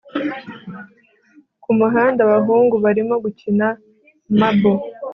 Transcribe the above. Kumuhanda abahungu barimo gukina marble